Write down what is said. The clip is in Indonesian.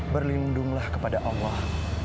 berlindunglah kepada allah